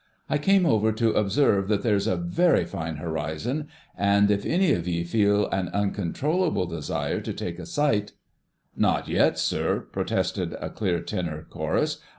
I came over to observe that there is a very fine horizon, and if any of ye feel an uncontrollable desire to take a sight——" "Not yet, sir!" protested a clear tenor chorus.